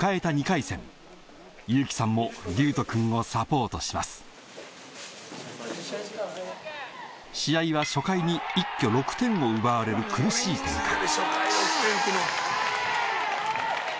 ２回戦雄紀さんも琉斗くんをサポートします試合は初回に一挙６点を奪われる苦しい展開